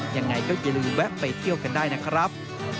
อย่าลืมแวะไปเที่ยวกันได้นะครับ